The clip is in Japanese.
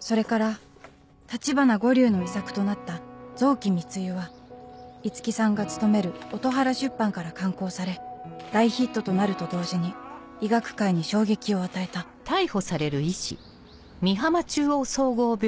それから橘五柳の遺作となった『臓器密輸』はいつきさんが勤める音原出版から刊行され大ヒットとなると同時に医学界に衝撃を与えた「テレビディレクター”Ｔ”」。